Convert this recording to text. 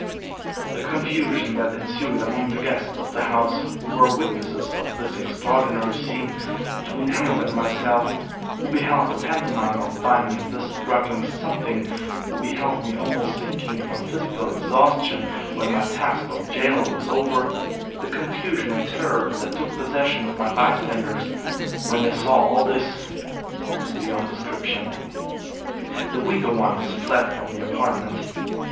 The confusion that ensued among the guests of the house who were witnesses of this extraordinary scene between Hammond and myself, who beheld the pantomime of binding this struggling Something, who beheld me almost sinking from physical exhaustion when my task of jailer was over, the confusion and terror that took possession of the bystanders, when they saw all this, was beyond description. The weaker ones fled from the apartment.